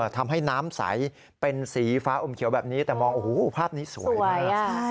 ทำให้น้ำใสเป็นสีฟ้าอมเขียวแบบนี้แต่มองโอ้โหภาพนี้สวยนะ